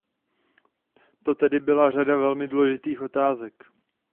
To tedy byla řada velmi důležitých otázek.